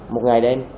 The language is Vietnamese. một ngày đêm